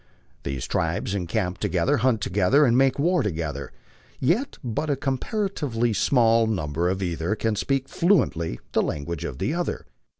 These tribes encamp together, hunt together, and make war to gether, yet but a comparatively small number of either can speak fluently the language of the other.